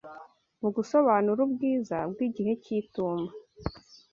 mu gusobanura ubwiza bw’igihe cy’itumba.